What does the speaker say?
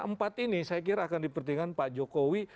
empat ini saya kira akan dipertimbangkan pak jokowi